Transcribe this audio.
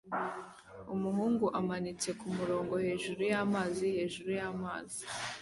Umugabo amanitse kumurongo hejuru y'amazi hejuru y'amazi